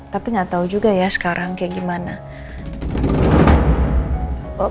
tapi nggak tahu juga ya sekarang kayak gimana